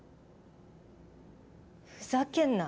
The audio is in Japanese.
ふざけんな。